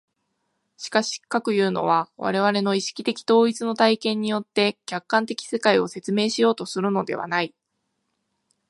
しかし、かくいうのは我々の意識的統一の体験によって客観的世界を説明しようとするのではない。